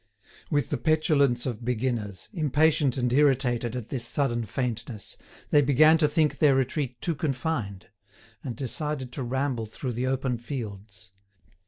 With the petulance of beginners, impatient and irritated at this sudden faintness, they began to think their retreat too confined, and decided to ramble through the open fields.